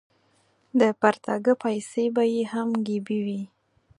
د پرتاګه پایڅې به یې هم ګیبي وې.